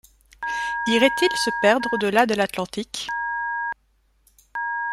Irait-il se perdre au-delà de l’Atlantique